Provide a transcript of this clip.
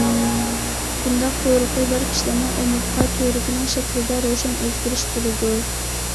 بۇنداق قورۇقى بار كىشىلەرنىڭ ئومۇرتقا تۈۋرۈكىنىڭ شەكلىدە روشەن ئۆزگىرىش بولىدۇ.